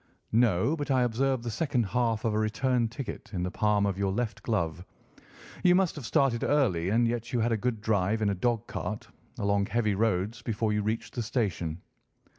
"No, but I observe the second half of a return ticket in the palm of your left glove. You must have started early, and yet you had a good drive in a dog cart, along heavy roads, before you reached the station."